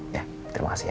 ya terima kasih ya